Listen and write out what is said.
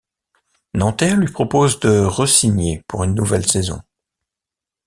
Nanterre lui propose de ressigner pour une nouvelle saison.